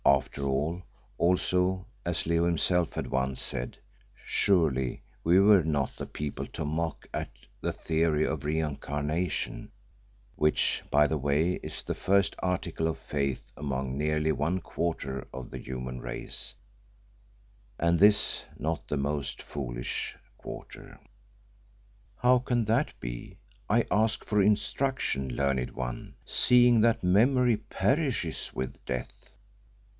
After all, also, as Leo himself had once said, surely we were not the people to mock at the theory of re incarnation, which, by the way, is the first article of faith among nearly one quarter of the human race, and this not the most foolish quarter. "How can that be I ask for instruction, learned One seeing that memory perishes with death?"